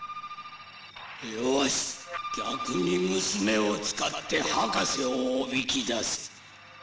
よし逆に娘を使って博士をおびき出せ。